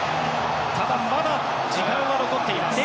ただまだ時間は残っています。